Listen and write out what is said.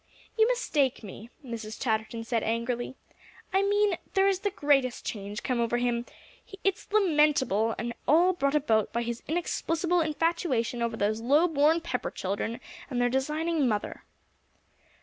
"You mistake me," Mrs. Chatterton said angrily, "I mean there is the greatest change come over him; it's lamentable, and all brought about by his inexplicable infatuation over those low born Pepper children and their designing mother."